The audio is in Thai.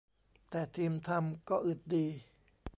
แต่ทีมทำก็อึดดี